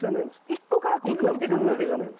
一個からこんなにでかくなる？